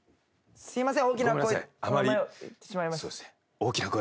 すいません。